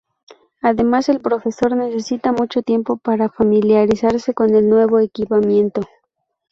Además, el profesor necesita mucho tiempo para familiarizarse con el nuevo equipamiento.